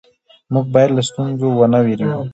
موږ باید له ستونزو ونه وېرېږو